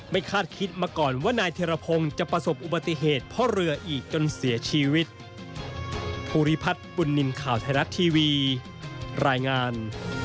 ไม่คาดคิดมาก่อนว่านายเทราโพงจะประสบอุบัติเหตุเพราะเรืออีกจนเสียชีวิตภูริพัฒน์ปุ่นนิมข่าวไทยรักทีวีรายงาน